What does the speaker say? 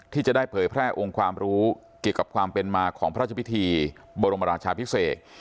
ที่จะได้เผยแพร่องค์ความรู้เกี่ยวกับความเป็นมาของพระราชพิธีบรมราชาพิเศษ